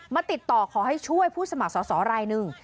ติดต่อขอให้ช่วยผู้สมัครสอสอรายหนึ่ง